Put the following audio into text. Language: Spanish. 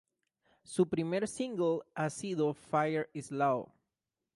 Su primer single ha sido "Fire is low".